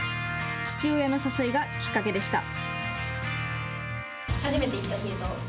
父親の誘いがきっかけでした。